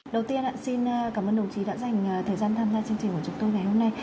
đầu tiên xin cảm ơn đồng chí đã dành thời gian tham gia chương trình của chúng tôi ngày hôm nay